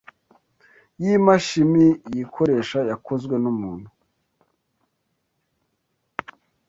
y’imashimi yikoresha yakozwe n’umuntu